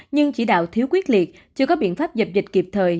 nhưng chỉ đạo thiếu quyết liệt chưa có biện pháp dập dịch kịp thời